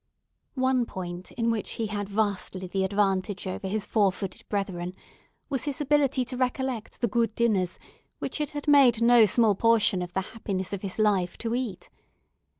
One point in which he had vastly the advantage over his four footed brethren was his ability to recollect the good dinners which it had made no small portion of the happiness of his life to eat.